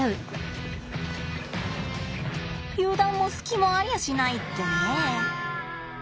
油断も隙もありゃしないってね。